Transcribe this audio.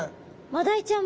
マダイちゃん